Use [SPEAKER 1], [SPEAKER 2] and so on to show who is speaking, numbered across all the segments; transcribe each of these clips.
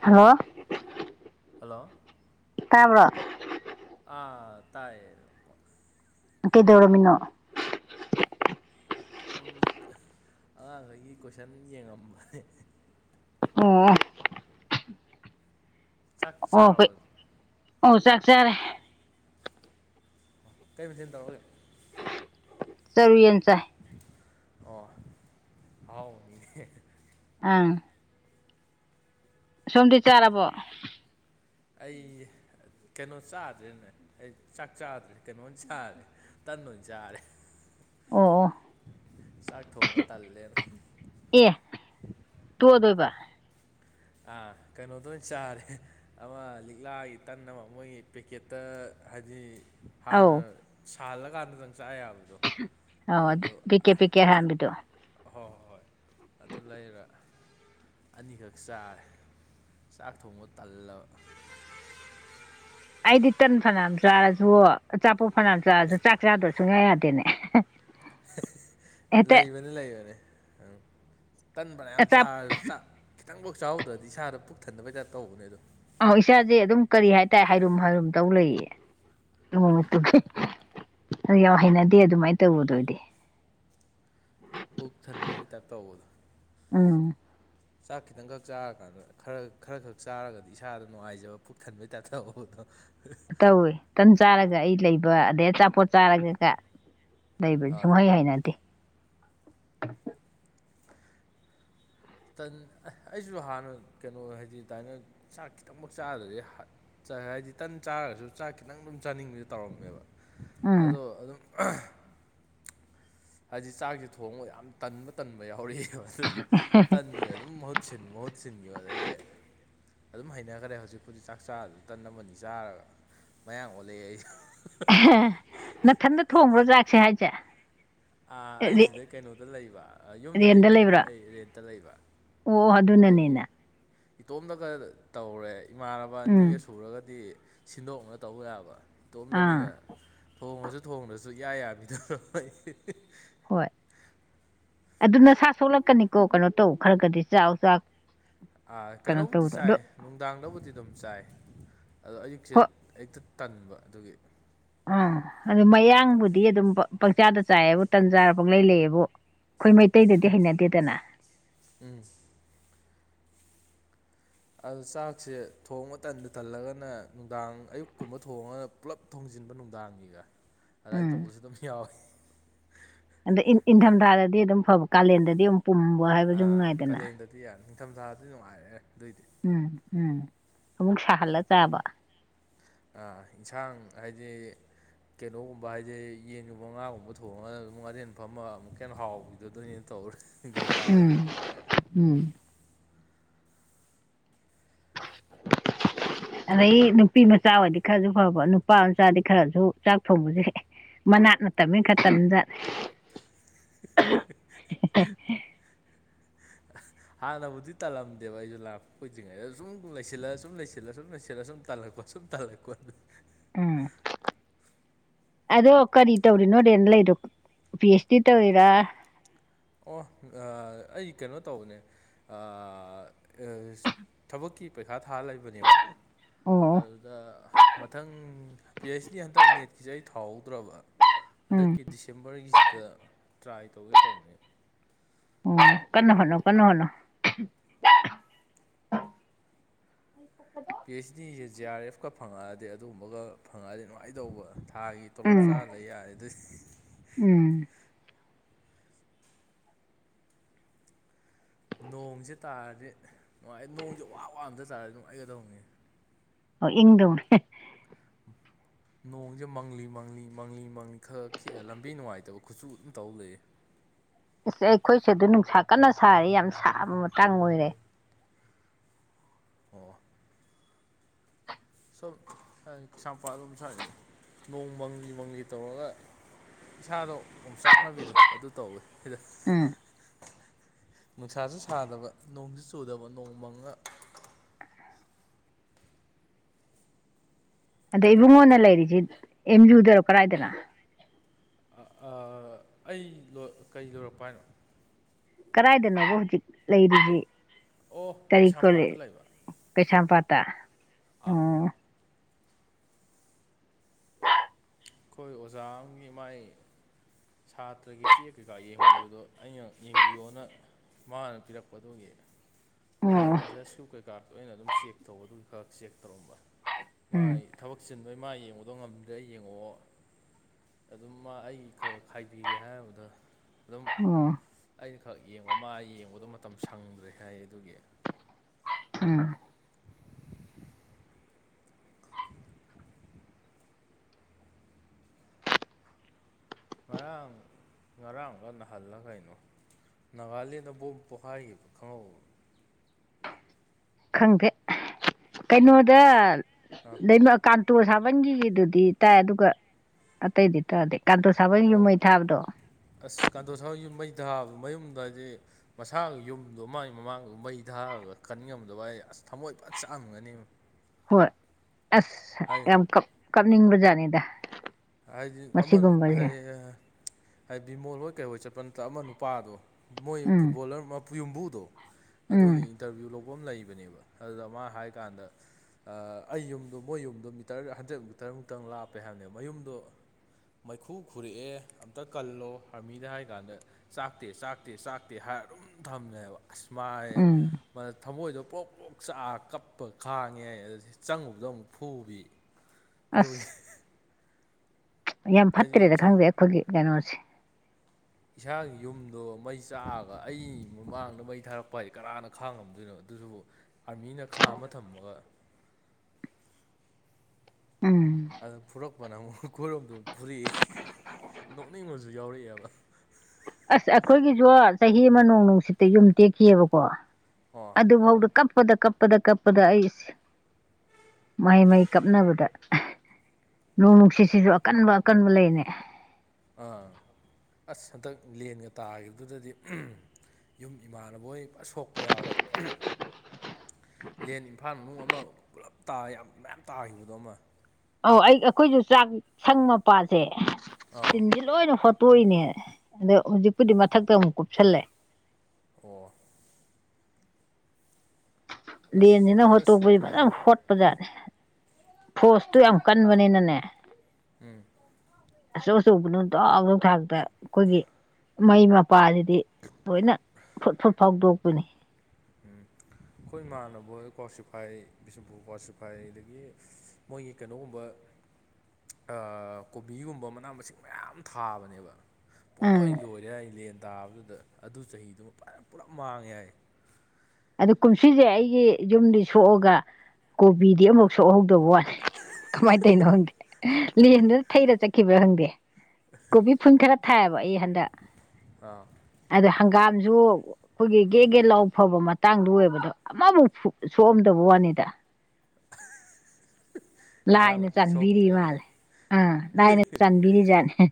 [SPEAKER 1] ꯍꯂ
[SPEAKER 2] ꯍꯜꯂꯣ
[SPEAKER 1] ꯇꯥꯕ꯭ꯔꯣ
[SPEAKER 2] ꯑꯥ ꯇꯥꯏꯌꯦꯔ
[SPEAKER 1] ꯀꯩꯗꯧꯔꯃꯤꯅꯣ
[SPEAKER 2] ꯑꯉꯥꯡꯈꯩꯒꯤ ꯀꯣꯏꯁꯟ ꯌꯦꯡꯉꯝꯕꯅꯦ
[SPEAKER 1] ꯑꯣ
[SPEAKER 2] ꯆꯥꯛ
[SPEAKER 1] ꯑꯣ
[SPEAKER 2] ꯆꯥꯔꯕ
[SPEAKER 1] ꯍꯣꯏ ꯑꯣ ꯆꯥꯛ ꯆꯥꯔꯦ
[SPEAKER 2] ꯀꯩꯩ ꯃꯊꯦꯟ ꯇꯧꯔꯒꯦ
[SPEAKER 1] ꯆꯥꯔꯨ ꯌꯦꯟ ꯆꯥꯏ
[SPEAKER 2] ꯑꯣ ꯑꯥꯎ
[SPEAKER 1] ꯑꯥ ꯑꯥꯝ ꯁꯣꯝ ꯇꯤ ꯆꯥꯔꯔꯕꯣ
[SPEAKER 2] ꯑꯩ ꯀꯩꯅꯣ ꯆꯥꯗ꯭ꯔꯦꯅꯦ ꯑꯩ ꯆꯥꯛ ꯆꯥꯗ꯭ꯔꯦ ꯀꯩꯅꯣ ꯑꯣꯏ ꯆꯥꯔꯦ ꯇꯟ ꯑꯣꯏ ꯆꯥꯔꯦ
[SPEAKER 1] ꯑꯣ ꯑꯣ
[SPEAKER 2] ꯆꯥꯛ ꯊꯣꯡꯕ ꯇꯜꯂꯦ
[SPEAKER 1] ꯑꯦ ꯇꯣꯛꯑꯗꯣꯏꯕ
[SPEAKER 2] ꯑꯥ ꯀꯩꯅꯣꯗ ꯑꯣꯏꯅ ꯆꯥꯔꯦ ꯑꯃ ꯂꯤꯛꯂꯥꯒꯤ ꯇꯟ ꯑꯃ ꯃꯣꯏꯒꯤ ꯄꯦꯛꯀꯦꯠꯇ ꯍꯥꯏꯗꯤ ꯍꯥꯟꯅ
[SPEAKER 1] ꯑꯧ
[SPEAKER 2] ꯁꯥꯍꯜꯂꯀꯥꯟꯗꯗꯪ ꯆꯥꯛꯑꯦ ꯌꯥꯕꯗꯣ
[SPEAKER 1] ꯍ ꯄꯤꯀꯦ ꯄꯤꯀꯦ ꯍꯥꯟꯕꯤꯗꯣ
[SPEAKER 2] ꯑ ꯑꯍꯣꯏ ꯍꯣꯏ ꯍꯣꯏ ꯑꯗꯨ ꯂꯩꯔ ꯑꯅꯤꯈꯛ ꯆꯥꯔꯦ ꯆꯥꯛ ꯊꯣꯡꯕ ꯇꯜꯂꯕ
[SPEAKER 1] ꯑꯩꯗꯤ ꯇꯟ ꯐꯅꯝ ꯆꯥꯔꯁꯨ ꯑꯆꯥꯄꯣꯠ ꯐꯅꯅ ꯆꯥꯔꯁꯨ ꯆꯥꯛ ꯆꯥꯗ꯭ꯔ ꯁꯨꯡ ꯉꯥꯏ ꯌꯥꯗꯦꯅꯦ ꯍꯦꯛꯇ
[SPEAKER 2] ꯂꯩꯕꯅꯤ ꯂꯩꯕꯅꯤ ꯇꯟꯕꯅ ꯌꯥꯝ
[SPEAKER 1] ꯑꯆꯥ
[SPEAKER 2] ꯆꯥꯔꯁꯨ ꯈꯤꯇꯪꯐꯥꯎ ꯆꯥꯎꯗ꯭ꯔꯗꯤ ꯏꯁꯥꯗ ꯄꯨꯛ ꯊꯟꯕꯩꯗ ꯇꯥꯏꯞ ꯇꯧꯕꯅꯦ ꯑꯗꯨꯝ
[SPEAKER 1] ꯑꯧ ꯏꯆꯥꯥꯁꯦ ꯑꯗꯨꯝ ꯀꯔꯤ ꯍꯥꯏꯇꯥꯏ ꯍꯥꯏꯔꯨꯝ ꯍꯥꯏꯔꯨꯝ ꯇꯧ ꯂꯩꯌꯦ ꯗꯨꯀꯤ ꯌꯥꯝ ꯍꯩꯅꯗꯦ ꯑꯗꯨꯃꯥꯏ ꯇꯧꯕꯗꯣ ꯑꯩꯗꯤ [inaudible]
[SPEAKER 2] ꯄꯨꯛ ꯊꯟꯗꯕꯩ ꯇꯥꯏꯞ ꯇꯧꯕꯗꯣ
[SPEAKER 1] ꯎꯝ
[SPEAKER 2] ꯆꯥꯛ ꯈꯤꯇꯪꯈꯛ ꯆꯥꯔꯀꯥꯟꯗ ꯈꯔ ꯈꯔ ꯈꯛ ꯆꯥꯔꯒꯗꯤ ꯏꯁꯥꯗ ꯅꯨꯡꯉꯥꯏꯖꯕ ꯄꯨꯠꯊꯟꯕꯩ ꯇꯥꯏꯞ ꯇꯧꯕꯗꯣ [unintelligible]
[SPEAKER 1] ꯇꯧꯋꯦ ꯇꯟ ꯆꯥꯔꯒ ꯑꯩ ꯂꯩꯕ ꯑꯗꯩ ꯑꯆꯥꯄꯣꯠ ꯆꯥꯔꯒ ꯀꯩꯀꯥ ꯂꯩꯕ
[SPEAKER 2] ꯑꯥ
[SPEAKER 1] ꯁꯨꯡꯍꯩ ꯍꯩꯅꯗꯦ
[SPEAKER 2] ꯑꯩꯁꯨ ꯍꯥꯟꯅ ꯀꯩꯅꯣ ꯍꯥꯏꯗꯤ ꯇꯥꯏꯅ ꯆꯥꯛ ꯈꯤꯇꯪꯃꯛ ꯆꯥꯗ꯭ꯔꯗꯤ ꯍꯥꯏꯗꯤ ꯇꯟ ꯆꯥꯔꯒꯁꯨ ꯆꯥꯛ ꯈꯤꯇꯪ ꯑꯗꯨꯝ ꯆꯥꯅꯤꯡꯕꯁꯦ ꯇꯧꯔꯝꯃꯦꯕ
[SPEAKER 1] ꯎꯝ
[SPEAKER 2] ꯑꯗꯣ ꯑꯗꯨꯝ ꯍꯥꯏꯗꯤ ꯆꯥꯛꯁꯤ ꯊꯣꯡꯕ ꯌꯥꯝ ꯇꯟꯕ ꯇꯟꯕ ꯌꯥꯎꯔꯛꯏꯕ ꯑꯗꯨ ꯇꯟꯁꯤꯅ ꯑꯗꯨꯝ ꯃꯍꯨꯠ ꯁꯤꯟꯃꯣꯠ ꯁꯤꯟꯈꯤꯕꯗꯒꯤ ꯑꯗꯨꯝ ꯍꯩꯅꯒ꯭ꯔꯦ ꯍꯧꯖꯤꯛꯄꯨꯗꯤ ꯆꯥꯛ ꯆꯥꯗ꯭ꯔꯖꯨ ꯇꯟ ꯑꯃ ꯑꯅꯤ ꯆꯥꯔꯒ ꯃꯌꯥꯡ ꯑꯣꯜꯂꯦꯍꯦ ꯑꯩ
[SPEAKER 1] ꯅꯥꯊꯟꯗ ꯊꯣꯡꯕ꯭ꯔꯣ ꯆꯥꯛꯁꯦ ꯍꯥꯏꯖꯦ
[SPEAKER 2] ꯑ ꯑꯩꯁꯤꯗ ꯀꯩꯅꯣꯗ ꯂꯩꯕ ꯌꯨꯝꯗ
[SPEAKER 1] ꯔꯦꯟꯗ
[SPEAKER 2] ꯂꯩꯇꯦ
[SPEAKER 1] ꯂꯩꯕ꯭ꯔꯣ
[SPEAKER 2] ꯑꯩ ꯔꯦꯟꯇ ꯂꯩꯕ
[SPEAKER 1] ꯑꯣ
[SPEAKER 2] ꯑꯗꯨꯒꯤ
[SPEAKER 1] ꯑꯗꯨꯅꯅꯦꯅ
[SPEAKER 2] ꯏꯇꯣꯝꯇꯒ ꯇꯧꯔꯦ ꯏꯃꯥꯟꯅꯕ
[SPEAKER 1] ꯎꯝ
[SPEAKER 2] ꯑꯅꯤꯒ ꯁꯨꯔꯒꯗꯤ ꯁꯤꯟꯗꯣꯛꯅꯔꯒ ꯇꯧꯕ ꯌꯥꯕ
[SPEAKER 1] ꯑꯥ
[SPEAKER 2] ꯏꯇꯣꯝꯗꯅꯤꯅ ꯊꯣꯡꯉꯁꯨ ꯊꯣꯡꯗ꯭ꯔꯁꯨ ꯏꯌꯥ ꯌꯥꯕꯤꯗ
[SPEAKER 1] ꯍꯣꯏ ꯑꯗꯨ ꯅ ꯁꯥꯥ ꯁꯣꯛꯂꯛꯀꯅꯤꯀꯣ ꯀꯩꯅꯣ ꯇꯧ ꯈꯔ ꯈꯗꯤ ꯆꯥꯛ ꯆꯥꯛ ꯀꯩꯅꯣ
[SPEAKER 2] ꯀꯩꯅꯣꯕꯨꯗꯤ
[SPEAKER 1] ꯇꯧꯗꯣ
[SPEAKER 2] ꯆꯥꯏ
[SPEAKER 1] ꯑꯗꯣ
[SPEAKER 2] ꯅꯨꯡꯗꯥꯡꯗꯕꯨꯗꯤ ꯑꯗꯨꯝ ꯆꯥꯏ ꯑꯗꯣ ꯑꯌꯨꯛꯁꯦ
[SPEAKER 1] ꯍꯣꯏ
[SPEAKER 2] ꯍꯦꯛꯇ ꯇꯟꯕ ꯑꯗꯨꯒꯤ
[SPEAKER 1] ꯑꯥ ꯑꯗꯨ ꯃꯌꯥꯡꯕꯨꯗꯤ ꯑꯗꯨꯝ ꯄꯪꯆꯥꯗ ꯆꯥꯏꯌꯦꯕꯨ ꯇꯟꯖꯥꯔ ꯄꯪꯂꯩ ꯂꯩꯌꯦꯕꯨ ꯈꯣꯏ ꯃꯩꯇꯩꯗꯗꯤ ꯍꯩꯅꯗꯦꯗꯅ
[SPEAKER 2] ꯎꯝ ꯑꯗꯨ ꯆꯥꯛꯁꯦ ꯊꯣꯡ ꯃꯇꯝꯟꯗ ꯊꯜꯂꯒꯅ ꯅꯨꯡꯗꯥꯡ ꯑꯌꯨꯛꯀꯨꯝꯕ ꯊꯣꯡꯉꯒ ꯄꯨꯜꯂꯞ ꯊꯣꯡꯖꯤꯟꯕ ꯅꯨꯡꯗꯥꯡꯒꯤꯒ ꯑꯗꯨꯃꯥꯏꯅ
[SPEAKER 1] ꯎꯝ
[SPEAKER 2] ꯇꯧꯕꯁꯨ ꯑꯗꯨꯝ ꯌꯥꯎꯏꯤ
[SPEAKER 1] ꯑꯗ ꯏꯟꯊꯝꯊꯥꯗꯗꯤ ꯑꯗꯨꯝ ꯐꯕ ꯀꯥꯂꯦꯟꯗꯗꯤ ꯑꯗꯨꯝ
[SPEAKER 2] ꯑꯥ ꯀꯥꯂꯦꯟꯗꯗꯤ ꯌꯥꯔ ꯅꯤꯡꯊꯝꯊꯥꯗꯤ ꯅꯨꯡꯉꯥꯏꯔꯦ ꯑꯗꯨꯑꯣꯏꯗꯤ
[SPEAKER 1] ꯎꯝ ꯎꯝ ꯑꯃꯨꯛ ꯁꯥꯍꯜꯂ ꯆꯥꯕ
[SPEAKER 2] ꯑ ꯏꯟꯁꯥꯡ ꯍꯥꯏꯗꯤ ꯀꯩꯅꯣꯒꯨꯝꯕ ꯍꯥꯏꯗꯤ ꯌꯦꯟꯒꯨꯝꯕ ꯉꯥꯒꯨꯝꯕ ꯊꯣꯡꯉꯒꯥ ꯉꯔꯦꯟ ꯐꯝꯃ ꯑꯃꯨꯛ ꯍꯦꯟꯅ ꯍꯥꯎꯈꯤꯗꯣꯏꯅꯤ ꯇꯧꯋꯦ
[SPEAKER 1] ꯎꯝ ꯎꯝ [unintelligible] ꯑꯗꯩ ꯅꯨꯄꯤ ꯃꯆꯥ ꯑꯣꯏꯗꯤ ꯈꯔꯁꯨ ꯐꯕ ꯅꯨꯄꯥ ꯃꯆꯥꯗꯤ ꯈꯔꯁꯨ ꯆꯥꯛ ꯊꯣꯡꯕꯁꯦ ꯃꯅꯥꯠ ꯅꯠꯇꯥꯃꯤꯅ ꯈꯥ ꯇꯟ ꯖꯥꯠ
[SPEAKER 2] ꯍꯤꯍꯤ
[SPEAKER 1] [unintelligible] ꯎ
[SPEAKER 2] ꯍꯥꯟꯅꯕꯨꯗꯤ ꯇꯜꯂꯝꯗꯦꯕ ꯑꯩꯁꯨ ꯂꯥꯛꯄ ꯀꯨꯏꯗ꯭ꯔꯤꯉꯩꯗ ꯁꯨꯝ ꯂꯩꯁꯤꯜꯂ ꯁꯨꯝ ꯂꯩꯁꯤꯜꯂ ꯁꯨꯝ ꯂꯩꯁꯤꯜꯂ ꯁꯨꯝ ꯇꯜꯂꯛꯄ ꯁꯨꯝ ꯇꯜꯂꯛ [unintelligible]
[SPEAKER 1] ꯎꯝ ꯑꯗꯣ ꯀꯔꯤ ꯇꯧꯔꯤꯅꯣꯣꯔꯦꯅ ꯂꯩꯔꯣ ꯄꯤ ꯑꯩꯆ ꯗꯤ ꯇꯧꯔꯤꯔꯥ
[SPEAKER 2] ꯑꯣ ꯑꯩ ꯀꯩꯅꯣ ꯇꯧꯕꯅꯦ ꯊꯕꯛꯀꯤ ꯄꯩꯈꯥ ꯊꯥ ꯂꯩꯕꯅꯦꯕ
[SPEAKER 1] ꯑꯣ ꯑꯣ
[SPEAKER 2] ꯑꯗ ꯃꯊꯪ ꯄꯤ ꯑꯩꯆ ꯗꯤ ꯍꯟꯗꯛ ꯅꯦꯠꯀꯤꯁꯦ ꯑꯩ ꯊꯥꯎꯍꯧꯗ꯭ꯔꯕ
[SPEAKER 1] ꯎꯝ
[SPEAKER 2] ꯍꯟꯗꯛꯀꯤ ꯗꯤꯁꯦꯝꯕꯔꯒꯤꯁꯤꯗ ꯇ꯭ꯔꯥꯏ ꯇꯧꯒꯦ ꯇꯧꯕꯅꯦ
[SPEAKER 1] ꯎꯝ ꯀꯟꯅ ꯍꯣꯅꯣ ꯀꯩꯅꯣ ꯍꯣꯅꯣ
[SPEAKER 2] ꯄꯤ ꯑꯩꯆ ꯗꯤꯁꯦ ꯖꯤ ꯑꯥꯔ ꯑꯦꯐꯀ ꯐꯪꯉꯛꯑꯗꯤ ꯑꯗꯨꯒꯨꯝꯕꯒ ꯐꯪꯉꯛꯑꯗꯤ ꯉꯥꯏꯇꯧꯕ ꯊꯥꯒꯤ ꯇꯣꯂꯣꯞ
[SPEAKER 1] ꯎꯝ
[SPEAKER 2] ꯆꯥꯔ ꯂꯩ ꯌꯥꯔꯦ ꯑꯗꯨꯗꯤ
[SPEAKER 1] ꯎꯝ
[SPEAKER 2] ꯅꯣꯡꯁꯦ ꯇꯥꯔꯗꯤ ꯅꯨꯡꯉꯥꯏ ꯅꯣꯡꯁꯦ ꯋꯥ ꯋꯥ ꯑꯝꯇ ꯇꯥꯔꯗꯤ ꯅꯨꯡꯉꯥꯏꯒꯗꯧꯅꯤ
[SPEAKER 1] ꯑꯣ ꯏꯪꯗꯧꯅꯦ [inaudible]
[SPEAKER 2] ꯅꯣꯡꯁꯦ ꯃꯪꯂꯤ ꯃꯪꯂꯤ ꯃꯪꯂꯤ ꯃꯪꯂꯤ ꯈꯔ ꯈꯤꯛ ꯂꯝꯕꯤ ꯅꯨꯡꯉꯥꯏꯇꯕ ꯈꯨꯠꯁꯨ ꯑꯗꯨꯝ ꯇꯧ ꯂꯩꯑꯦ
[SPEAKER 1] ꯑ ꯑꯩꯈꯣꯏꯁꯤꯗ ꯅꯨꯡꯁꯥ ꯀꯟꯅ ꯁꯥꯔꯦ ꯌꯥꯝ ꯁꯥꯕ ꯃꯇꯥꯡ ꯑꯣꯏꯔꯦ
[SPEAKER 2] ꯑꯣ ꯁꯣꯝ ꯀꯩꯁꯥꯝꯄꯥꯠ ꯔꯣꯝ ꯁꯥꯢꯠ ꯅꯣꯡ ꯃꯪꯂꯤ ꯃꯪꯂꯤ ꯇꯧꯔꯒ ꯏꯁꯥꯗꯣ ꯑꯣꯝꯆꯥꯛꯅꯕꯤꯗꯣ ꯑꯗꯨ ꯇꯧꯋꯦ ꯁꯤꯗ
[SPEAKER 1] ꯎꯝ
[SPEAKER 2] ꯅꯨꯡꯁꯥꯁꯨ ꯁꯥꯗꯕ ꯅꯣꯡꯁꯨ ꯆꯨꯗꯕ ꯅꯣꯡ ꯃꯪꯉꯥꯒ
[SPEAKER 1] ꯑꯗꯩ ꯏꯕꯨꯡꯉꯣꯅ ꯂꯩꯔꯤꯁꯤ ꯑꯦꯝ ꯖꯨꯗꯔꯣ ꯀꯗꯥꯥꯏꯗꯅꯣ
[SPEAKER 2] ꯑ ꯑꯩ ꯀꯩ ꯂꯣꯏꯔꯛꯄ ꯍꯥꯏꯅꯣ
[SPEAKER 1] ꯀꯗꯥꯏꯗꯥꯅꯣꯕ ꯍꯧꯖꯤꯛ ꯂꯩꯔꯤꯖꯦ
[SPEAKER 2] ꯑꯣ
[SPEAKER 1] ꯀꯔꯤ
[SPEAKER 2] ꯀꯩꯁꯥꯝꯄꯥꯠꯇ
[SPEAKER 1] ꯀꯣꯂꯦꯁ
[SPEAKER 2] ꯂꯩꯕ
[SPEAKER 1] ꯀꯩꯁꯥꯝꯄꯥꯠꯇ
[SPEAKER 2] ꯑꯥ
[SPEAKER 1] ꯎꯝ [inaudible]
[SPEAKER 2] ꯑꯩꯈꯣꯏ ꯑꯣꯖꯥ ꯑꯃꯥꯒꯤ ꯃꯥꯏ ꯁꯥꯇ꯭ꯔꯒꯤ ꯆꯦ ꯀꯩꯀꯥ ꯌꯦꯡꯕꯤꯕꯗꯣ ꯑꯩꯅ ꯌꯦꯡꯕꯤꯌꯣꯅ ꯃꯥꯅ ꯄꯤꯔꯛꯄꯗꯨꯒꯤ
[SPEAKER 1] ꯑꯣ
[SPEAKER 2] ꯑꯟꯁꯥꯔ ꯢꯁꯂꯤꯞ ꯀꯩꯀꯥ ꯑꯩꯅ ꯑꯗꯨꯝ ꯆꯦꯛ ꯇꯧꯕꯗꯨꯒꯤ ꯈꯔ ꯆꯦꯛ ꯇꯧꯔꯝꯕ ꯃꯥꯥꯏ
[SPEAKER 1] ꯎꯝ
[SPEAKER 2] ꯊꯕꯛ ꯆꯤꯟꯕꯩ ꯃꯥ ꯌꯦꯡꯕꯗꯣ ꯉꯝꯗ꯭ꯔꯦ ꯑꯩ ꯌꯦꯡꯉꯛꯑꯣ ꯑꯗꯨꯝ ꯃꯥ ꯑꯩ ꯈꯔ ꯈꯥꯏꯕꯤꯒꯦ ꯍꯥꯏꯔꯝꯕꯗꯣ ꯑꯗꯨꯝ
[SPEAKER 1] ꯎꯝ
[SPEAKER 2] ꯑꯩꯅ ꯈꯛ ꯌꯦꯡꯕ ꯃꯥ ꯌꯦꯡꯕꯗꯣ ꯃꯇꯝ ꯁꯪꯗ꯭ꯔꯦ ꯍꯥꯏ ꯑꯗꯨꯒꯤ
[SPEAKER 1] ꯑꯝ
[SPEAKER 2] [inaudible] ꯉꯔꯥꯡ ꯉꯔꯥꯡ ꯂ ꯅꯍꯥꯜꯂ ꯀꯩꯅꯣ ꯅꯥꯒꯥꯂꯦꯟꯗ ꯕꯣꯝ ꯄꯣꯈꯥꯏꯈꯤꯕ ꯈꯪꯍꯧꯕ꯭ꯔꯣ
[SPEAKER 1] ꯈꯪꯗꯦ ꯀꯩꯅꯣꯗ
[SPEAKER 2] ꯑꯥ
[SPEAKER 1] ꯂꯩꯃ ꯀꯥꯟꯇꯣ ꯁꯥꯕꯟꯒꯤꯗꯨꯗꯤ ꯇꯥꯏ ꯑꯗꯨꯒ ꯑꯇꯩꯗꯤ ꯇꯥꯗꯦ ꯀꯥꯡꯇꯣ ꯁꯥꯕꯥꯟ ꯌꯨꯝ
[SPEAKER 2] ꯑꯣ
[SPEAKER 1] ꯃꯩ ꯊꯥꯕꯗꯣ
[SPEAKER 2] ꯑꯁ ꯀꯥꯟꯇꯣ ꯁꯥꯕꯟ ꯌꯨꯝ ꯃꯩ ꯊꯥꯕꯗꯣ ꯃꯌꯨꯝꯗꯣ ꯍꯥꯏꯗꯤ ꯃꯁꯥꯒꯤ ꯌꯨꯝꯗꯣ ꯃꯥꯒꯤ ꯃꯃꯥꯡꯗꯨꯗ ꯃꯩ ꯊꯥꯔꯒ ꯀꯟ ꯉꯝꯗꯥꯕꯩ ꯑꯁ ꯊꯃꯣꯏ ꯐꯖꯅ ꯆꯥꯛꯑꯝꯒꯅꯤ ꯃꯥ
[SPEAKER 1] ꯍꯣꯏ ꯑꯁ
[SPEAKER 2] ꯍꯥꯏ
[SPEAKER 1] ꯌꯥꯝ ꯀꯞꯅꯤꯡꯕꯖꯥꯠꯅꯤꯗ
[SPEAKER 2] ꯍꯥꯏꯗꯤ ꯑꯃ
[SPEAKER 1] ꯃꯁꯤꯒꯨꯝꯕꯁꯦ
[SPEAKER 2] ꯍꯥꯏꯗꯤ ꯕꯤꯃꯣ ꯍꯣꯏ ꯀꯩꯍꯣꯏ ꯆꯠꯄ ꯅꯠꯇ꯭ꯔ ꯑꯃ ꯅꯨꯄꯥꯗꯣ ꯃꯣꯏ
[SPEAKER 1] ꯎꯝ
[SPEAKER 2] ꯐꯨꯠꯕꯣꯜꯂ꯭ꯔ ꯃꯥꯄꯨ ꯌꯨꯝꯕꯨꯗꯣ ꯑꯗꯨꯒꯤ
[SPEAKER 1] ꯎꯝ
[SPEAKER 2] ꯏꯟꯇꯔꯚꯤꯌꯨ ꯂꯧꯕ ꯑꯃ ꯂꯩꯕꯅꯦꯕ ꯑꯗꯨꯗ ꯃꯥ ꯍꯥꯏ ꯀꯥꯟꯗ ꯑꯩ ꯌꯨꯝꯗꯣ ꯃꯣꯏ ꯌꯨꯝꯗꯣ ꯃꯤꯇꯔ ꯍꯟꯗ꯭ꯔꯦꯠ ꯃꯤꯇꯔꯃꯨꯛꯇꯪ ꯂꯥꯞꯄꯦ ꯍꯥꯏꯕꯅꯦ ꯃꯌꯨꯝꯗꯣ ꯃꯩꯈꯨ ꯈꯨꯔꯛꯑꯦ ꯑꯝꯇ ꯀꯜꯂꯣ ꯑꯥꯔꯃꯤꯗ ꯍꯥꯏꯔ ꯀꯥꯟꯗ ꯆꯥꯛꯇꯦ ꯆꯥꯛꯇꯦ ꯆꯥꯛꯇꯦ ꯍꯥꯏꯔꯒ ꯑꯗꯨꯝ ꯊꯝꯃꯦꯕ ꯑꯁ ꯃꯥꯏ
[SPEAKER 1] ꯎꯝ
[SPEAKER 2] ꯃꯗ ꯊꯃꯣꯏꯗꯣ ꯄꯣꯛ ꯄꯣꯛ ꯆꯥꯛꯑꯒ ꯈꯥꯡꯉꯦ ꯑꯗ ꯁꯤ ꯆꯪꯉꯨꯕꯗ ꯑꯃꯨꯛ ꯐꯨꯕꯤ
[SPEAKER 1] [inaudible]
[SPEAKER 2] ꯑꯗꯨꯒꯤ
[SPEAKER 1] ꯌꯥꯝ
[SPEAKER 2] ꯍꯥꯏꯗꯤ
[SPEAKER 1] ꯐꯠꯇ꯭ꯔꯦꯗ ꯈꯪꯗꯦ ꯑꯩꯈꯣꯏꯒꯤ ꯀꯩꯅꯣꯁꯦ
[SPEAKER 2] ꯏꯁꯥꯒꯤ ꯌꯨꯝꯗꯣ ꯃꯩ ꯆꯥꯛꯑꯒ ꯑꯩ ꯃꯃꯥꯡꯗ ꯃꯩ ꯊꯥꯔꯛꯄ ꯍꯥꯏꯁꯤ ꯀꯅꯥꯅ ꯈꯥꯡꯉꯝꯗꯣꯏꯅꯣ ꯑꯗꯨꯁꯨ ꯑꯥꯔꯃꯤꯅ ꯈꯥꯝꯃ ꯊꯝꯃꯒ
[SPEAKER 1] ꯎꯝ
[SPEAKER 2] ꯑꯗꯨ ꯐꯨꯔꯛꯄꯅ ꯑꯃꯨꯛ ꯈꯣꯢꯔꯣꯝꯗ ꯐꯨꯔꯛꯏ ꯅꯣꯛꯅꯤꯡꯕꯁꯨ ꯌꯥꯎꯔꯛꯑꯦꯕ
[SPEAKER 1] ꯑꯁ ꯑꯩꯈꯣꯏꯒꯤꯁꯨ ꯆꯍꯤ ꯑꯃ ꯅꯣꯡ ꯅꯨꯡꯁꯤꯠꯇ ꯌꯨꯝ ꯇꯦꯛꯈꯤꯑꯕꯀꯣ
[SPEAKER 2] ꯑꯣ꯫
[SPEAKER 1] ꯑꯗꯨꯐꯥꯎꯗ ꯀꯞꯄꯗ ꯀꯞꯄꯗ ꯀꯞꯄꯗ ꯑꯩ ꯃꯍꯩ ꯃꯍꯩ ꯀꯞꯅꯕꯗ ꯅꯣꯡ ꯅꯨꯨꯁꯤꯠ ꯁꯤꯖꯨ ꯑꯀꯟꯕ ꯑꯀꯟꯕ ꯂꯩꯅꯦ꯫
[SPEAKER 2] ꯑꯥ ꯑꯁ ꯍꯟꯗꯛ ꯂꯦꯟꯒ ꯇꯥꯈꯤꯕꯗꯨꯗꯗꯤ ꯌꯨꯝ ꯏꯃꯥꯟꯅꯕꯣꯏ ꯑꯁꯣꯛꯄ ꯌꯥꯎꯋꯤ ꯂꯦꯟ ꯏꯝꯐꯥꯜ ꯃꯅꯨꯡ ꯑꯃ ꯄꯨꯂꯞ ꯇ ꯃꯌꯥꯝ ꯇꯥꯈꯤꯕꯗꯣ ꯑꯃ
[SPEAKER 1] ꯑꯧ ꯑꯩ ꯑꯩꯈꯣꯏꯁꯨ ꯆꯥꯛ ꯁꯪ ꯃꯄꯥꯖꯦ
[SPEAKER 2] ꯑꯥ
[SPEAKER 1] ꯇꯤꯟꯖꯤ ꯂꯣꯏꯅ ꯍꯣ ꯇꯣꯛꯏꯅꯦ ꯑꯗꯣ ꯍꯧꯖꯤꯛꯄꯨꯗꯤ ꯃꯊꯛꯇ ꯑꯃꯨꯛ ꯀꯨꯞꯁꯜꯂꯦ
[SPEAKER 2] ꯑꯣ ꯑꯁ
[SPEAKER 1] ꯂꯦꯟꯖꯤꯅ
[SPEAKER 2] ꯐꯖꯅ
[SPEAKER 1] ꯍꯣꯠꯇꯣꯛꯄꯖꯤ
[SPEAKER 2] ꯁꯣꯛꯈꯤ ꯌꯥꯎꯋꯦ
[SPEAKER 1] ꯐꯖꯅ ꯍꯣꯠꯄꯖꯥꯠꯅꯤ ꯐ꯭ꯔꯣꯁꯇꯨ ꯌꯥꯝ ꯀꯟꯕꯅꯤꯅꯅꯦ
[SPEAKER 2] ꯎꯝ
[SPEAKER 1] ꯑꯆꯧ ꯑꯆꯧꯕꯅ ꯗꯥꯛ ꯂꯥꯎ ꯊꯥꯔꯛ ꯄꯗ ꯑꯩꯈꯣꯏꯒꯤ ꯃꯩ ꯃꯄꯥꯖꯤꯗꯤ ꯂꯣꯏꯅ ꯐꯨꯠ ꯐꯨꯠ ꯐꯥꯎꯗꯣꯛꯄꯅꯤ
[SPEAKER 2] ꯎꯝ ꯑꯩꯈꯣꯏ ꯏꯃꯥꯟꯅ ꯍꯣꯏ ꯀ꯭ꯋꯥꯁꯤꯐꯥꯏ ꯕꯤꯁꯅꯨꯄꯨꯔ ꯀ꯭ꯋꯥꯁꯤꯐꯥꯏ ꯗꯒꯤ ꯃꯣꯏꯒꯤ ꯀꯩꯅꯣꯒꯨꯝꯕ ꯑ ꯀꯣꯕꯤꯒꯨꯝꯕ ꯃꯅꯥ ꯃꯁꯤꯡ ꯃꯌꯥꯝ ꯊꯥꯕꯅꯦꯕ꯫
[SPEAKER 1] ꯎꯝ
[SPEAKER 2] ꯄꯨꯡꯂꯣꯏ ꯂꯣꯏꯔꯦ ꯍꯥꯏ ꯂꯦꯟ ꯇꯥꯕꯗꯨꯗ ꯑꯗꯨ ꯆꯍꯤꯗꯨꯃ ꯐꯔ ꯄꯨꯂꯞ ꯃꯥꯡꯉꯦ ꯍꯥꯏ
[SPEAKER 1] ꯑꯗꯨ ꯀꯨꯝꯁꯤꯁꯦ ꯑꯩꯒꯤ ꯌꯨꯝꯗꯤ ꯁꯣꯛꯑꯒ ꯀꯣꯕꯤꯗꯤ ꯑꯃꯨꯛ ꯁꯣꯛꯍꯧꯗꯕ ꯋꯥꯅꯤ ꯀꯃꯥꯏꯅ ꯇꯧꯅꯣ ꯍꯪꯗꯦ ꯂꯦꯟꯗꯨꯅ ꯊꯩꯔ ꯆꯠꯈꯤꯕ꯭ꯔꯥ ꯈꯪꯗꯦ ꯀꯣꯕꯤ ꯐꯨꯜ ꯈꯔ ꯊꯥꯏꯑꯕ ꯑꯩ ꯍꯟꯗꯛ
[SPEAKER 2] ꯑꯥ
[SPEAKER 1] ꯑꯗ ꯍꯪꯒꯥꯝꯖꯨ ꯑꯩꯈꯣꯏꯒꯤ ꯒꯦ ꯒꯦ ꯂꯥꯎ ꯐꯕ ꯇꯥꯡꯗꯨ ꯑꯣꯏꯕꯗꯣ ꯑꯃꯕꯧ ꯐꯨꯛ ꯁꯣꯛꯑꯝꯗꯕ ꯋꯥꯅꯤꯗ
[SPEAKER 2] ꯏꯟꯁꯥꯡ
[SPEAKER 1] ꯂꯥꯏꯅ
[SPEAKER 2] ꯅꯥꯄꯤ
[SPEAKER 1] ꯆꯥꯟꯕꯤꯔꯤ
[SPEAKER 2] ꯁꯣꯛꯇ꯭ꯔꯦ
[SPEAKER 1] ꯃꯥꯜꯂꯦ ꯑꯥ ꯂꯥꯏꯅ ꯆꯥꯟꯕꯤꯔꯤ ꯖꯥꯠꯅꯤ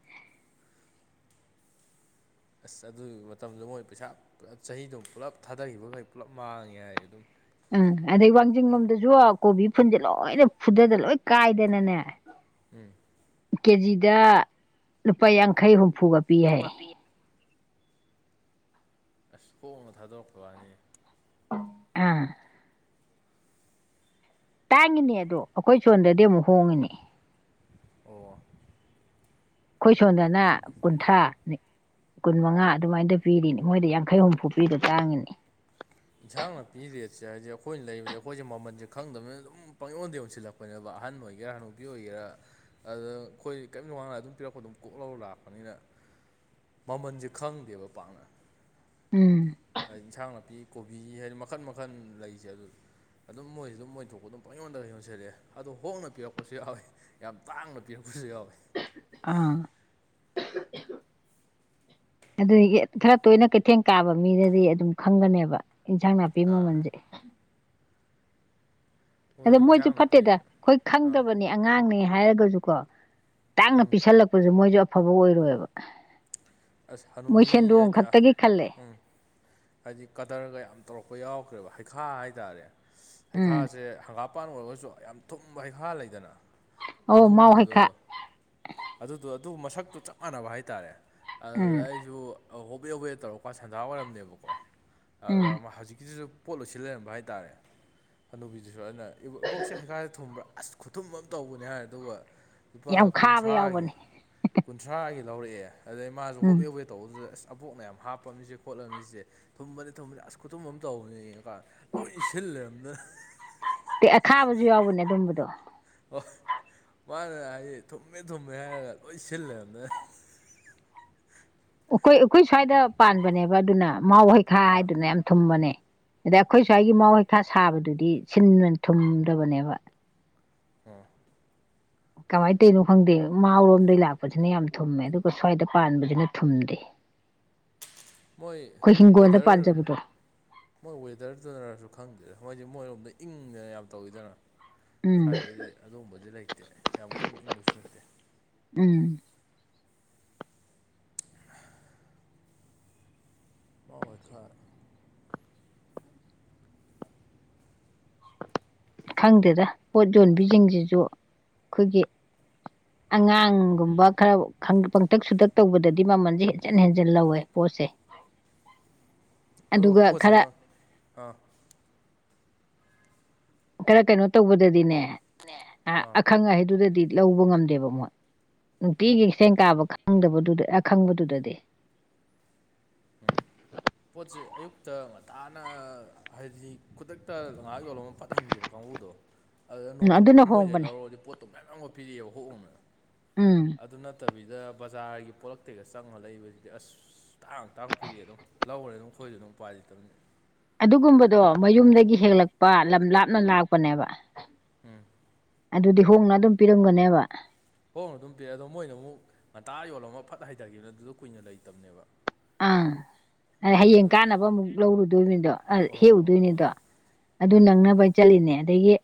[SPEAKER 2] ꯑꯁ ꯑꯗꯨꯒꯤ ꯃꯇꯝꯗꯣ ꯃꯣꯏ ꯄꯩꯁꯥ ꯄꯨꯞ ꯆꯍꯤꯗꯣ ꯄꯨꯂꯞ ꯊꯥꯗꯈꯤꯕꯈꯩ ꯄꯨꯜꯂꯞ ꯃꯥꯡꯉꯦ ꯍꯥꯏ ꯑꯗꯨꯝ
[SPEAKER 1] ꯎꯝ ꯑꯗꯩ ꯋꯥꯡꯖꯤꯡ ꯂꯣꯝꯗꯖꯨ ꯀꯣꯕꯤ ꯐꯨꯟꯖꯦ ꯂꯣꯏꯅ ꯐꯨꯗꯗꯅ ꯂꯣꯏ ꯀꯥꯏꯗꯅꯅꯦ [inaudible]
[SPEAKER 2] ꯎꯝ
[SPEAKER 1] ꯀꯦꯖꯤꯗ ꯂꯨꯄꯥ ꯌꯥꯡꯈꯩ ꯍꯨꯝꯐꯨꯒ ꯄꯤ ꯍꯥꯏꯌꯦ꯫
[SPEAKER 2] ꯐꯨꯒ ꯄꯤ ꯑꯁ ꯍꯣꯡꯅ ꯊꯥꯗꯣꯔꯛꯄ ꯋꯥꯅꯤꯅꯦ
[SPEAKER 1] ꯑꯥ ꯇꯥꯡꯉꯤꯅꯦ ꯑꯗꯣ ꯑꯩꯈꯣꯏ ꯁꯣꯟꯗꯗꯤ ꯑꯃꯨꯛ ꯍꯣꯡꯉꯤꯅꯦ
[SPEAKER 2] ꯑꯣ
[SPEAKER 1] ꯑꯩꯈꯣꯏ ꯁꯣꯟꯗꯅ ꯀꯨꯟꯊ꯭ꯔꯥ ꯅꯤ ꯀꯨꯟ ꯃꯉꯥ ꯑꯗꯨꯃꯥꯏꯅ ꯄꯤꯔꯤꯅꯤ ꯃꯣꯏꯗ ꯌꯥꯡꯈꯩ ꯍꯨꯝꯐꯨ ꯄꯤꯗꯣ ꯇꯥꯡꯉꯤꯅꯤ
[SPEAKER 2] ꯏꯟꯁꯥꯡ ꯅꯥꯄꯤꯒꯤ ꯔꯦꯠꯁꯦ ꯍꯥꯏꯗꯤ ꯑꯩꯈꯣꯏꯅ ꯂꯩꯕꯖꯦ ꯑꯩꯈꯣꯏ ꯖꯦ ꯃꯃꯟ ꯖꯦ ꯈꯪꯗꯕꯅꯤꯅ ꯑꯗꯨꯝ ꯄꯪ ꯌꯣꯟꯗ ꯌꯟꯁꯤꯜꯂꯛꯄ ꯐꯅꯕ ꯑꯍꯥꯟꯕ ꯑꯣꯏꯒꯦꯔꯥ ꯍꯅꯨꯕꯤ ꯑꯣꯏꯒꯦꯔꯥ ꯑꯗꯨꯗ ꯑꯩꯈꯣꯏ ꯀꯔꯤꯝꯅꯨꯡ ꯋꯥꯡꯅ ꯑꯗꯨꯝ ꯄꯤꯔꯛꯄ ꯑꯗꯨꯝ ꯀꯣꯛ ꯂꯧꯔ ꯂꯥꯛꯄꯅꯤꯅ ꯃꯃꯟꯁꯦ ꯈꯪꯗꯦꯕ ꯄꯥꯛꯅ
[SPEAKER 1] ꯎꯝ
[SPEAKER 2] ꯍꯥꯏꯗꯤ ꯏꯟꯁꯥꯡ ꯅꯥꯄꯤ ꯀꯣꯕꯤ ꯍꯥꯏꯗꯤ ꯃꯈꯟ ꯃꯈꯟ ꯂꯩꯁꯦ ꯑꯗꯨ ꯑꯗꯨꯝ ꯃꯣꯏꯖꯨ ꯑꯗꯨꯝ ꯃꯣꯏꯊꯣꯛꯄ ꯑꯗꯨꯝ ꯄꯪꯌꯣꯟꯗꯒ ꯌꯣꯟꯖꯤꯜꯛꯑꯦ ꯑꯗꯣ ꯍꯣꯡꯅ ꯄꯤꯔꯛꯄꯁꯨ ꯌꯥꯎꯏ꯫ ꯌꯥꯝ ꯇꯥꯡꯅ ꯄꯤꯔꯛꯄꯁꯨ ꯌꯥꯎꯋꯦ
[SPEAKER 1] ꯑꯥ [unintelligible] ꯑꯗꯒꯤ ꯈꯔ ꯇꯣꯏꯅ ꯀꯩꯊꯦꯡ ꯀꯥꯕ ꯃꯤꯗꯗꯤ ꯑꯗꯨꯝ ꯈꯪꯒꯅꯦꯕ ꯏꯟꯁꯥꯡ ꯅꯥꯄꯤ
[SPEAKER 2] ꯑꯥ
[SPEAKER 1] ꯃꯃꯜꯖꯦ
[SPEAKER 2] ꯃꯣꯏ
[SPEAKER 1] ꯑꯗ ꯃꯣꯏꯖꯨ
[SPEAKER 2] ꯏꯟꯁꯥꯡ ꯅꯥꯄꯤ
[SPEAKER 1] ꯐꯠꯇꯦꯗ ꯑꯩꯈꯣꯏ
[SPEAKER 2] ꯑꯥ
[SPEAKER 1] ꯈꯪꯗꯕꯅꯦ ꯑꯉꯥꯡꯅꯦ ꯍꯥꯏꯔꯒꯁꯨꯀꯣ ꯇꯥꯡꯅ ꯄꯤꯁꯜꯂꯛꯄꯖꯨ ꯃꯣꯏꯖꯨ ꯑꯐꯕ ꯑꯣꯏꯔꯣꯏꯕ
[SPEAKER 2] ꯑꯁ
[SPEAKER 1] [unintelligible] ꯃꯣꯏ
[SPEAKER 2] ꯍꯅꯨꯕꯤ
[SPEAKER 1] ꯁꯦꯟꯗꯣꯡ
[SPEAKER 2] ꯍꯥꯏꯗꯤ ꯑꯥ
[SPEAKER 1] ꯈꯛꯇꯒꯤ ꯈꯜꯂꯦ
[SPEAKER 2] ꯎꯝ ꯍꯥꯏꯗꯤ ꯀꯗꯔꯒ ꯌꯥꯝ ꯇꯧꯔꯛꯄ ꯌꯥꯎꯈ꯭ꯔꯦꯕ ꯍꯩꯈꯥ ꯍꯥꯏꯇꯥꯔꯦ
[SPEAKER 1] ꯎꯝ
[SPEAKER 2] ꯍꯩꯈꯥꯁꯦ ꯍꯪꯒꯥꯞ ꯃꯄꯥꯟ ꯑꯣꯏꯔꯒꯁꯨ ꯌꯥꯝ ꯊꯨꯝꯕ ꯍꯩꯈꯥ ꯂꯩꯗꯅ
[SPEAKER 1] ꯑꯧ ꯃꯥꯎ ꯍꯩꯈꯥ
[SPEAKER 2] ꯑꯗꯨꯒꯨꯝꯕꯗꯣ ꯑꯗꯨꯗꯣ ꯑꯗꯨ ꯃꯁꯛꯇꯨ ꯆꯞ ꯃꯥꯟꯅꯕ ꯍꯥꯏꯇꯥꯔꯦ ꯑꯗꯨꯗ
[SPEAKER 1] ꯎꯝ
[SPEAKER 2] ꯑꯩꯖꯨ ꯑ ꯍꯣꯕꯦ ꯍꯣꯕꯦ ꯇꯧꯔꯀꯥꯟ ꯁꯟꯗꯥ ꯋꯥꯏꯔꯝꯅꯦꯕꯀꯣ
[SPEAKER 1] ꯎꯝ
[SPEAKER 2] ꯑꯗ ꯍꯧꯖꯤꯛꯀꯤꯖꯤꯖꯨ ꯄꯣꯠ ꯂꯣꯏꯁꯤꯜ ꯂꯩꯔꯝꯕ ꯍꯥꯏꯇꯥꯔꯦ ꯍꯅꯨꯕꯤꯗꯨꯖꯨ ꯑꯗꯨꯅ ꯕꯣꯛꯁꯦ ꯍꯩꯈꯥꯖꯦ ꯊꯨꯝꯕ꯭ꯔꯥ ꯑꯁ ꯈꯨꯊꯨꯝ ꯑꯃ ꯇꯧꯕꯅꯦ ꯍꯥꯏꯔꯦ ꯑꯗꯨꯒ ꯂꯨꯄꯥ
[SPEAKER 1] ꯌꯥꯝꯈꯥꯕ
[SPEAKER 2] ꯀꯨꯟꯊ꯭ꯔꯥꯒꯤ
[SPEAKER 1] ꯌꯥꯎꯕꯅꯦ
[SPEAKER 2] ꯀꯨꯟꯊ꯭ꯔꯥꯒꯤ ꯂꯧꯔꯛꯑꯦ ꯑꯗꯩ ꯃꯥꯁꯨ
[SPEAKER 1] ꯎꯝ
[SPEAKER 2] ꯍꯣꯕꯦ ꯍꯣꯕꯦ ꯇꯧꯕꯗꯨꯗ ꯑꯁ ꯑꯕꯣꯛꯅ ꯌꯥꯝ ꯍꯥꯞꯄꯝꯅꯤꯁꯦ ꯈꯣꯠꯂꯝꯃꯤꯁꯦ ꯊꯨꯝꯕꯅꯤ ꯊꯨꯝꯕꯅꯤ ꯑꯁ ꯈꯨꯊꯨꯝ ꯑꯃ ꯇꯧꯕꯅꯦ ꯌꯦꯡꯉꯀꯥꯟ ꯂꯣꯏ ꯏꯁꯤꯜ ꯂꯩꯔꯝꯗꯅ
[SPEAKER 1] ꯑ ꯑꯈꯥꯕꯁꯨ ꯌꯥꯎꯕꯅꯦ ꯑꯗꯨꯝꯕꯗꯣ
[SPEAKER 2] ꯍꯣꯏ ꯃꯥꯅ ꯍꯥꯏꯗꯤ ꯊꯨꯝꯃꯦ ꯊꯨꯝꯃꯦ ꯍꯥꯏꯔꯒ ꯂꯣꯏ ꯁꯤꯜ ꯂꯩꯔꯝꯗꯅ
[SPEAKER 1] ꯑꯩꯈꯣꯏ ꯑꯩꯈꯣꯏ ꯁ꯭ꯋꯥꯏꯗ ꯄꯥꯟꯕꯅꯦꯕ ꯑꯗꯨꯅ ꯃꯥꯎ ꯍꯩꯈꯥ
[SPEAKER 2] ꯑꯥ
[SPEAKER 1] ꯍꯥꯏꯗꯨꯅ ꯌꯥꯝ ꯊꯨꯝꯕꯅꯦ꯫ ꯑꯗꯩ ꯑꯩꯈꯣꯏꯁ꯭ꯋꯥꯢꯒꯤ ꯃꯥꯎ ꯍꯩꯈꯥ ꯁꯥꯕꯗꯨꯗꯤ ꯁꯤꯟ ꯊꯨꯝꯗꯕꯅꯦꯕ
[SPEAKER 2] ꯑꯣ
[SPEAKER 1] ꯀꯃꯥꯏꯅ ꯇꯧꯔꯤꯅꯣ ꯈꯪꯗꯦ ꯃꯥꯎꯔꯣꯝꯗꯒꯤ ꯂꯥꯛꯄꯁꯤꯅ ꯌꯥꯝ ꯊꯨꯝꯃꯦ ꯑꯗꯨꯒ ꯁ꯭ꯋꯥꯏꯗ ꯄꯥꯟꯕꯁꯤꯅ ꯊꯨꯝꯗꯦ꯫
[SPEAKER 2] ꯃꯣꯏ
[SPEAKER 1] ꯑꯩꯈꯣꯏ ꯍꯤꯡꯒꯣꯜꯗ
[SPEAKER 2] ꯋꯦꯗꯔ
[SPEAKER 1] ꯄꯥꯟꯖꯕꯗꯣ
[SPEAKER 2] ꯃꯣꯏ ꯋꯦꯗꯔꯗꯨꯅꯔꯁꯨ ꯈꯪꯗꯦ ꯃꯣꯏꯁꯦ ꯃꯣꯏꯔꯣꯝꯗ ꯏꯪꯗꯅ ꯌꯥꯝ ꯇꯧꯋꯤꯗꯅ
[SPEAKER 1] ꯎꯝ
[SPEAKER 2] ꯁꯥꯏꯗꯗꯤ ꯑꯗꯨꯝꯕꯗꯤ ꯂꯩꯇꯦ ꯌꯥꯝ ꯀꯟꯅ ꯏꯪꯕꯁꯨ ꯅꯠꯇꯦ꯫
[SPEAKER 1] ꯎꯝ꯫
[SPEAKER 2] ꯃꯥꯎ ꯍꯩꯈꯥ
[SPEAKER 1] ꯈꯪꯗꯦꯗ ꯄꯣꯠ ꯌꯣꯟꯕꯤꯖꯤꯡꯁꯤꯁꯨ ꯑꯩꯈꯣꯏꯒꯤ ꯑꯉꯥꯡꯒꯨꯝꯕ ꯈꯔ ꯄꯪꯇꯛ ꯁꯨꯇꯛ ꯇꯧꯕꯗꯗꯤ ꯃꯃꯜꯁꯦ ꯍꯦꯟꯖꯟ ꯍꯦꯟꯖꯟ ꯂꯧꯋꯦ ꯄꯣꯠꯁꯦ꯫
[SPEAKER 2] ꯑꯗꯣ
[SPEAKER 1] ꯑꯗꯨꯒ
[SPEAKER 2] ꯄꯣꯠꯁꯦ
[SPEAKER 1] ꯈꯔ
[SPEAKER 2] ꯃ ꯑꯥ
[SPEAKER 1] ꯈꯔ ꯀꯩꯅꯣ ꯇꯧꯕꯗꯗꯤꯅꯦ
[SPEAKER 2] ꯅꯦ ꯑꯥ
[SPEAKER 1] ꯑꯈꯪ ꯑꯍꯩꯗꯨꯗꯗꯤ ꯂꯧꯕ ꯉꯝꯗꯦꯕ ꯃꯣꯏ ꯅꯨꯡꯇꯤꯒꯤ ꯀꯩꯊꯦꯟ ꯀꯥꯕ ꯈꯪꯗꯕꯗꯨꯗ ꯑꯈꯪꯕꯗꯨꯗꯗꯤ꯫
[SPEAKER 2] ꯄꯣꯠꯁꯦ ꯑꯌꯨꯛꯇ ꯉꯟꯇꯥꯥꯅ ꯍꯥꯏꯗꯤ ꯈꯨꯗꯛꯇ ꯉꯍꯥꯥꯛ ꯌꯣꯜꯂꯝꯃ ꯐꯠ ꯍꯟꯈꯤꯕ ꯀꯥꯡꯕꯨꯗꯣ ꯑꯗꯨꯗ
[SPEAKER 1] ꯎꯝ
[SPEAKER 2] ꯅꯣꯡ ꯐꯣꯇꯣꯛ
[SPEAKER 1] ꯑꯗꯨꯅ
[SPEAKER 2] ꯀ ꯃꯣꯏꯗꯩ
[SPEAKER 1] ꯍꯣꯡꯕꯅꯦ
[SPEAKER 2] ꯂꯧꯔꯛꯒꯗꯤ ꯄꯣꯠꯇꯣ ꯃꯌꯥꯝꯒ ꯄꯤꯔꯛꯑꯦꯕ ꯍꯣꯡ ꯍꯣꯡꯅ
[SPEAKER 1] ꯎꯝ
[SPEAKER 2] ꯑꯗꯨ ꯅꯠꯇꯕꯤꯗ ꯕꯖꯥꯔꯒꯤ ꯄꯣꯂꯛꯇꯩꯒ ꯆꯪꯉ ꯂꯩꯕꯗꯨꯗꯤ ꯑꯁ ꯇꯥꯡ ꯑꯗꯨꯝ ꯂꯧꯔꯦ ꯑꯗꯨꯝ ꯑꯩꯈꯣꯏꯁꯨ ꯑꯗꯨꯝ ꯎꯄꯥꯏ ꯂꯩꯇꯕꯅꯤꯅ
[SPEAKER 1] ꯑꯗꯨꯒꯨꯝꯕꯗꯣ ꯃꯌꯨꯝꯗꯒꯤ ꯍꯦꯜꯂꯛꯄ ꯂꯝ ꯂꯥꯞꯅ ꯂꯥꯛꯄꯅꯦꯕ꯫
[SPEAKER 2] ꯎꯝ
[SPEAKER 1] ꯑꯗꯨꯗꯤ ꯍꯣꯡꯅ ꯑꯗꯨꯝ ꯄꯤꯔꯝꯒꯅꯦꯕ꯫
[SPEAKER 2] ꯍꯣꯡꯅ ꯑꯗꯨꯝ ꯄꯤꯔꯛꯑꯦꯗꯣ ꯃꯣꯏꯅ ꯑꯃꯨꯛ ꯉꯟꯇꯥ ꯌꯣꯜꯂꯝꯃ ꯐꯠ ꯍꯩꯊꯈꯤꯕꯅꯤꯅ ꯑꯗꯨꯗꯣ ꯀꯨꯏꯅ ꯂꯩꯇꯕꯅꯦꯕ
[SPEAKER 1] ꯑꯪ ꯑꯗ ꯍꯌꯦꯡ
[SPEAKER 2] ꯑꯗꯨ
[SPEAKER 1] ꯀꯥꯅꯕ ꯑꯃꯨꯛ ꯂꯧꯔꯨꯗꯣꯏꯅꯤꯗꯣ ꯑ
[SPEAKER 2] ꯍꯣꯏ ꯍꯣꯏ ꯍꯣꯏ
[SPEAKER 1] ꯍꯦꯛꯎꯗꯣꯏꯅꯤꯗꯣ꯫ ꯑꯗꯨ
[SPEAKER 2] ꯎꯝ
[SPEAKER 1] ꯅꯪꯅꯕ ꯆꯠꯂꯤꯅꯦ ꯑꯗꯒꯤ